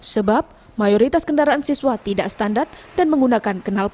sebab mayoritas kendaraan siswa tidak standar dan menggunakan kenalpot